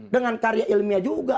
dengan karya ilmiah juga